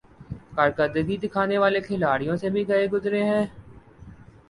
۔کارکردگی دکھانے والے کھلاڑیوں سے بھی گئے گزرے ہیں ۔